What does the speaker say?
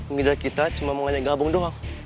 ngijak kita cuma mau ngajak gabung doang